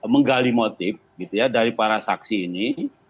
menggali motif gitu ya dari para saksi ini